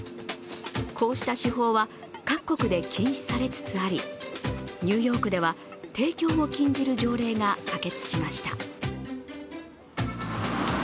こうした手法は各国で禁止されつつあり、ニューヨークでは提供を禁じる条例が可決しました。